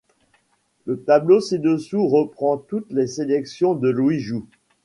Le tableau ci-dessous reprend toutes les sélections de Louis Joux.